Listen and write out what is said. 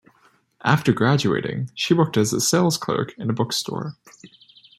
After graduating, she worked as a salesclerk in a bookstore.